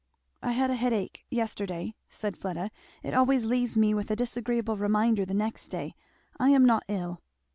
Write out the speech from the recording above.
"I had a headache yesterday," said Fleda; "it always leaves me with a disagreeable reminder the next day. I am not ill."